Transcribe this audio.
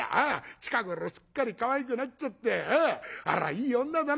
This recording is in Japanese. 近頃すっかりかわいくなっちゃってあらぁいい女だな」。